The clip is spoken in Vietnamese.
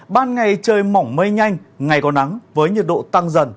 ban ngày trời mỏng mây nhanh ngày có nắng với nhiệt độ tăng dần